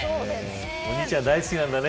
お兄ちゃん大好きなんだね